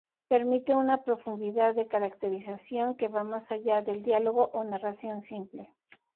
Permite una profundidad de caracterización que va más allá del diálogo o narración simple.